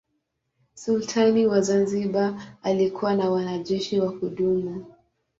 Sultani wa Zanzibar alikuwa na wanajeshi wa kudumu.